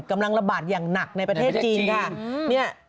กำลังระบาดอย่างหนักในประเทศจีนค่ะ